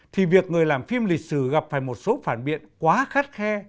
thì việc người làm phim lịch sử gặp phải một số phản biện quá khắt khe